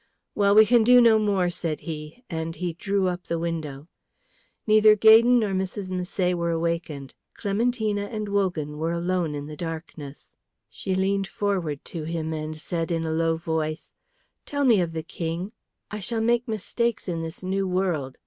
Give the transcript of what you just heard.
"Well, we can do no more," said he, and he drew up the window. Neither Gaydon nor Mrs. Misset were awakened; Clementina and Wogan were alone in the darkness. She leaned forward to him and said in a low voice, "Tell me of the King. I shall make mistakes in this new world.